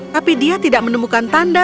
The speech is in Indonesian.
tapi dia tidak menemukan tanda